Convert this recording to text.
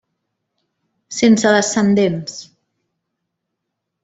Sense descendents.